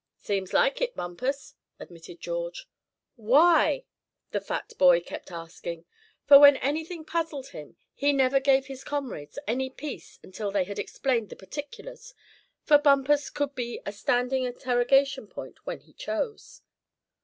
"Seems like it, Bumpus," admitted George. "Why?" the fat boy kept asking; for when anything puzzled him he never gave his comrades any peace until they had explained the particulars; for Bumpus could be a standing interrogation point when he chose.